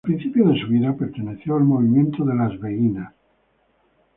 Al principio de su vida perteneció al movimiento de las beguinas.